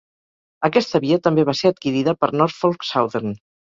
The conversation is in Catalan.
Aquesta via també va ser adquirida per Norfolk Southern.